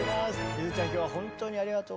ゆづちゃん今日は本当にありがとう。